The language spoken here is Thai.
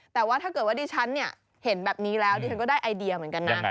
แต่ว่าถ้าเกิดว่าดิฉันเนี่ยเห็นแบบนี้แล้วดิฉันก็ได้ไอเดียเหมือนกันนะ